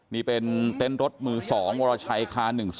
นี่เป็นเต้นรถมือ๒วรชัยค๑๓๙